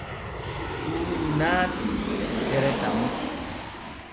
Tuuni naatii e itere Tamu.